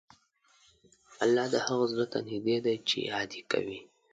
الله د هغه زړه ته نږدې دی چې یاد یې کوي.